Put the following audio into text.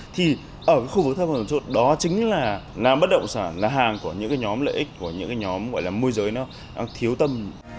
thì ở khu vực thấp hơn một chút đó chính là nàm bất động sản là hàng của những nhóm lợi ích của những nhóm môi giới đang thiếu tâm